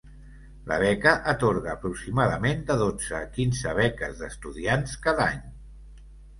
La beca atorga aproximadament de dotze a quinze beques d'estudiants cada any.